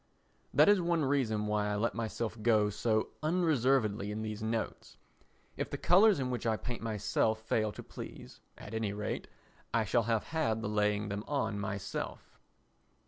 That is one reason why I let myself go so unreservedly in these notes. If the colours in which I paint myself fail to please, at any rate I shall have had the laying them on myself.